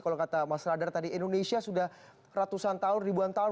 kalau kata mas radar tadi indonesia sudah ratusan tahun ribuan tahun